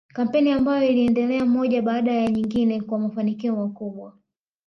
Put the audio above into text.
Kampeni ambayo iliendelea moja baada ya nyingine kwa mafanikio makubwa